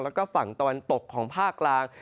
แล้วก็ฝั่งตะวันตกของภาคกลาง